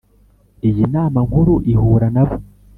Iyi nama nkuru ihura nabo